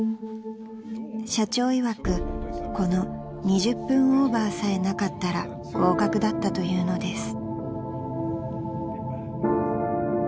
［社長いわくこの２０分オーバーさえなかったら合格だったというのです］